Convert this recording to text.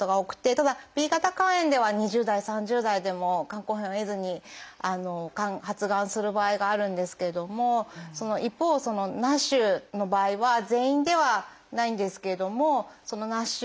ただＢ型肝炎では２０代３０代でも肝硬変を経ずにがん発がんする場合があるんですけれども一方ＮＡＳＨの場合は全員ではないんですけれどもそのＮＡＳＨ